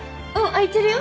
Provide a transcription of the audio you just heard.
空いてるよ。